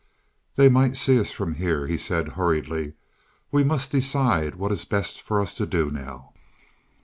"They might see us from here," he said hurriedly. "We must decide what is best for us to do now."